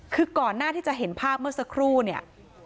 คือก่อนหน้าที่จะเห็นภาพเมื่อสักครู่เนี่ย